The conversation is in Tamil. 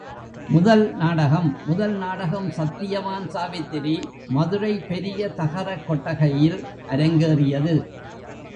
முதல் நாடகம் முதல் நாடகம் சத்தியவான் சாவித்திரி மதுரை பெரிய தகரக் கொட்டகையில் அரங்கேறியது.